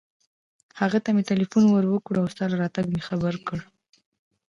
هغه ته مې ټېلېفون ور و کړ او ستا له راتګه مې خبر کړ.